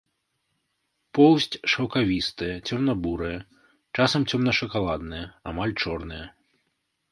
Поўсць шаўкавістая, цёмна-бурая, часам цёмна-шакаладная, амаль чорная.